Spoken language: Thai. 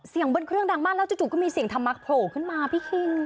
เบิ้ลเครื่องดังมากแล้วจู่ก็มีเสียงธรรมะโผล่ขึ้นมาพี่คิง